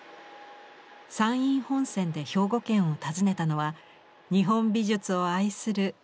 山陰本線で兵庫県を訪ねたのは日本美術を愛するこの人。